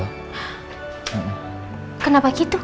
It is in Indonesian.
hah kenapa gitu